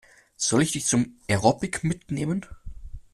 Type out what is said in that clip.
Soll ich dich zum Aerobic mitnehmen?